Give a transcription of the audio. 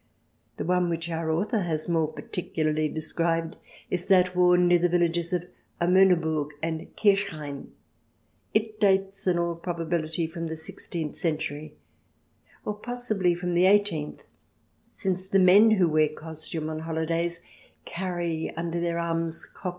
The one which our author has more particularly described is that worn near the villages of Amoneburg and Kir chain. It dates, in all probability, from the sixteenth century, or possibly from the eighteenth, since the men who wear costume on holidays carry under their arms cocked hats and wear knee 126 THE DESIRABLE ALIEN [ch.